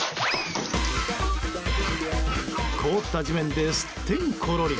凍った地面で、すってんころり。